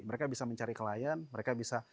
mereka bisa mencari klien mereka bisa